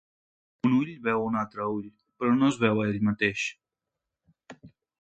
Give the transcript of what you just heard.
Un ull veu un altre ull, però no es veu ell mateix.